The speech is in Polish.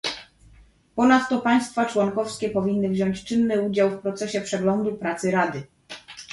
Ponadto państwa członkowskie powinny wziąć czynny udział w procesie przeglądu pracy Rady